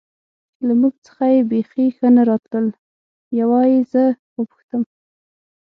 له موږ څخه یې بېخي ښه نه راتلل، یوه یې زه و پوښتم.